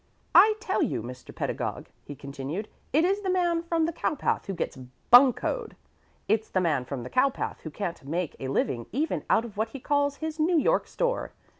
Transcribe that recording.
"I tell you, Mr. Pedagog," he continued, "it is the man from the cowpath who gets buncoed. It's the man from the cowpath who can't make a living even out of what he calls his 'New York Store.'